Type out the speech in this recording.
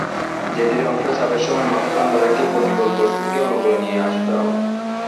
যেটির অংশ চাপের সময় মাথা ঠান্ডা রেখে প্রতিকূল পরিস্থিতিকে অনুকূলে নিয়ে আসাও।